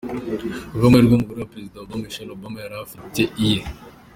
Ku bw’amahirwe umugore wa perezida Obama, Michelle Obama yari afite iye.